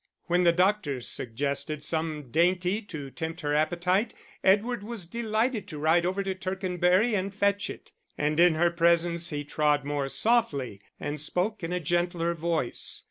When the doctor suggested some dainty to tempt her appetite, Edward was delighted to ride over to Tercanbury to fetch it; and in her presence he trod more softly and spoke in a gentler voice.